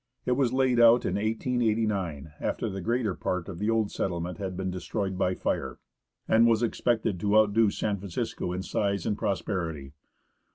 It was laid out in 1889 after the greater part of the old settlement had been destroyed by fire, and was ex pected to outdo San Francisco in size and prosperity.